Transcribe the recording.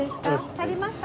足りました。